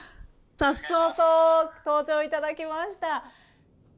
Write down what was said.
さっそうと登場いただきました。